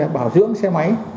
bảo dưỡng xe máy